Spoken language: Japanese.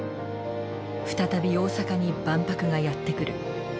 再び大阪に万博がやって来る。